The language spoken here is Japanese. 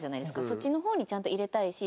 そっちの方にちゃんと入れたいし